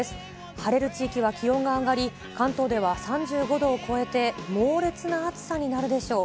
晴れる地域は気温が上がり、関東では３５度を超えて、猛烈な暑さになるでしょう。